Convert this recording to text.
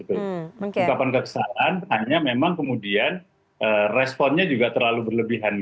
ungkapan kekesalan hanya memang kemudian responnya juga terlalu berlebihan